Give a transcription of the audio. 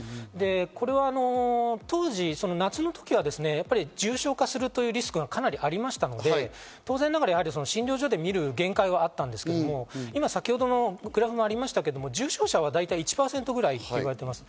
これは当時、夏の時は重症化するというリスクはかなりありましたので、当然ながら診療所で見る限界はあったんですけど、先ほどグラフもありましたけど、重症者は大体１％ぐらいと言われています。